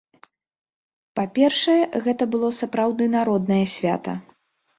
Па-першае, гэта было сапраўды народнае свята.